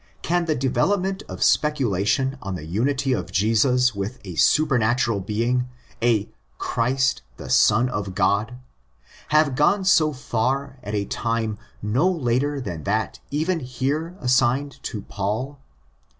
Can the development of speculation on the unity of Jesus with & supernatural being, a '' Christ the Son of God,"' have gone so far at a time no later than that even here assigned to Paul?